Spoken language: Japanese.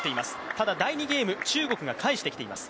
ただ、第２ゲーム、中国が返してきています。